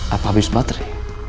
apa habis baterai